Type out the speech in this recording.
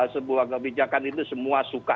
sebuah kebijakan itu semua suka